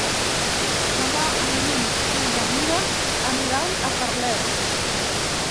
Demà en Guim i na Mira aniran a Carlet.